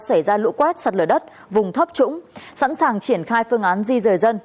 xảy ra lũ quét sắt lửa đất vùng thấp trũng sẵn sàng triển khai phương án di rời dân